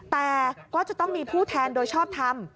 แต่ก็จะต้องมีผู้แทนโดยชอบทำ